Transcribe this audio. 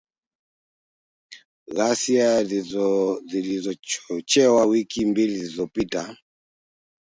Ghasia zilizochochewa wiki mbili zilizopita